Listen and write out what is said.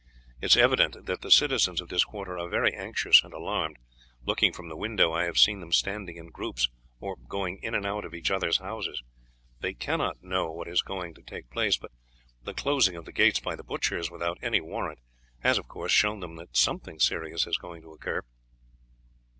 It is evident that the citizens of this quarter are very anxious and alarmed; looking from the window I have seen them standing in groups, or going in and out of each other's houses. They cannot know what is going to take place, but the closing of the gates by the butchers without any warrant has, of course, shown them that something serious is going to occur."